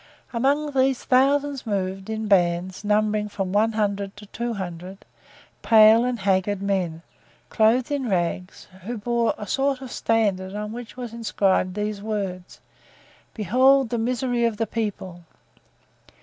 Among these thousands moved, in bands numbering from one hundred to two hundred, pale and haggard men, clothed in rags, who bore a sort of standard on which was inscribed these words: "Behold the misery of the people!"